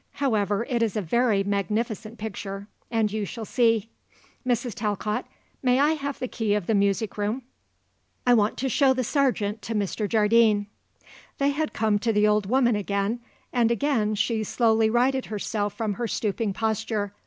However, it is a very magnificent picture and you shall see. Mrs. Talcott, may I have the key of the music room? I want to show the Sargent to Mr. Jardine." They had come to the old woman again, and again she slowly righted herself from her stooping posture.